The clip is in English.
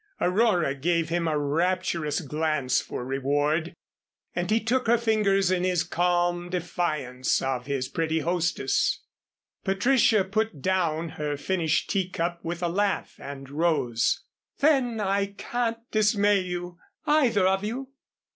Aurora gave him a rapturous glance for reward, and he took her fingers in his in calm defiance of his pretty hostess. Patricia put down her finished tea cup with a laugh and rose. "Then I can't dismay you either of you?"